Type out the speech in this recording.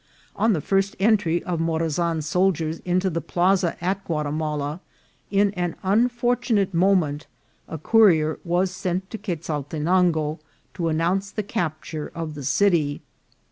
On the first entry of Morazan's soldiers into the plaza at Guatimala, in an unfortunate moment, a courier was sent to Quezaltenango to announce the capture of the city.